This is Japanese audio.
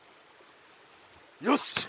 よし！